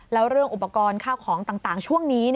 แล้วเรื่องอุปกรณ์ข้าวของต่างช่วงนี้